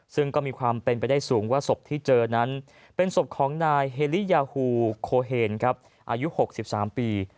ซึ่งก็มีความเป็นไปได้สูงว่าศพที่เจอนั้นเป็นศพของนายเฮลียาฮูโคเฮนอายุ๖๓ปี